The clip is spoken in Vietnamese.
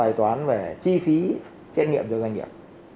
bài toán về chi phí xét nghiệm cho doanh nghiệp